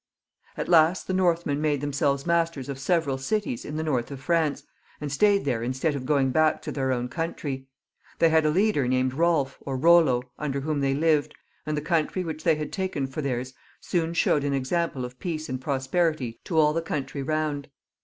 At last the Northmen made themselves masters of 62 THE LAST CARLOVINGIAN KINGS, [CH. several cities in the north of France, and stayed there in stead of going back to their own coftintry. They had a leader named Solf or Bollo, under whom they lived, and the country which they had taken for theirs soon showed an example of peace and prosperity to all the country round.